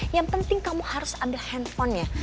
yang penting kamu harus ada handphonenya